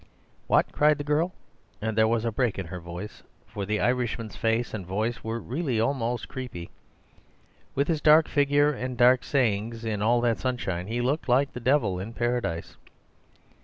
"What?" cried the girl, and there was a break in her voice; for the Irishman's face and voice were really almost creepy. With his dark figure and dark sayings in all that sunshine he looked like the devil in paradise.